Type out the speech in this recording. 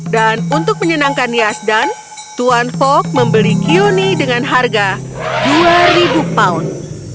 dan untuk menyenangkan yazdan tuan fogg membeli qioni dengan harga dua ribu pound